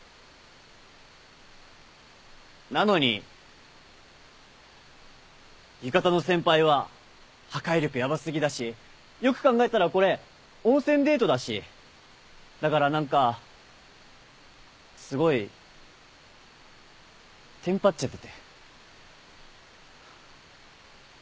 なのに浴衣の先輩は破壊力ヤバ過ぎだしよく考えたらこれ温泉デートだしだから何かすごいテンパっちゃってて。